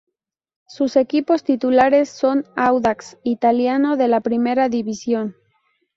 Sus equipos titulares son Audax Italiano de la Primera División.